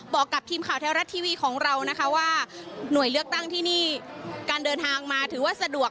บอกกับทีมข่าวแท้รัฐทีวีของเรานะคะว่าหน่วยเลือกตั้งที่นี่การเดินทางมาถือว่าสะดวก